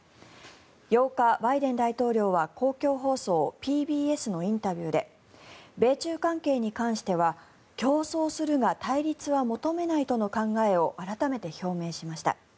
８日、バイデン大統領は公共放送ＰＢＳのインタビューで米中関係に関しては、競争するが対立は求めないとの考えを改めて表明しました。